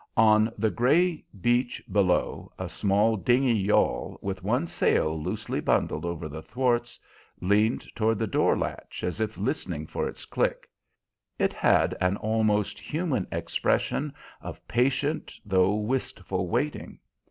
On the gray beach below, a small, dingy yawl, with one sail loosely bundled over the thwarts, leaned toward the door latch as if listening for its click. It had an almost human expression of patient though wistful waiting.